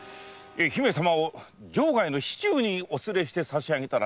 姫様を城外の市中にお連れしてさし上げては？